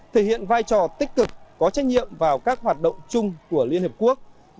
thể hiện vai trò tích cực có trách nhiệm vào các hoạt động chuyển đổi năng lượng công bằng trên toàn cầu